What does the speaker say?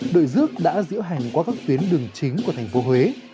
đội dước đã diễu hành qua các tuyến đường chính của thành phố huế